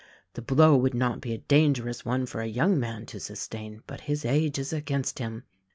The blow would not be a dangerous one for a young man to sustain, but his age is against him.